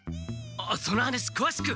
その話くわしく！